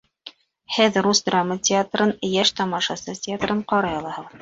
Һеҙ рус драма театрын, Йәш тамашасы театрын ҡарай алаһығыҙ.